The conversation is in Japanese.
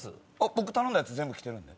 僕頼んだやつ全部来てるんで。